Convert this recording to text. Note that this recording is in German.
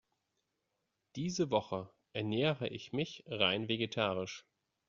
Diese Woche ernähre ich mich rein vegetarisch.